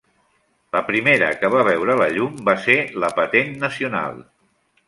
La primera que va veure la llum va ser la patent nacional.